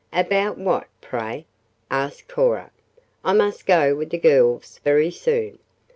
"About what, pray?" asked Cora. "I must go with the girls very soon."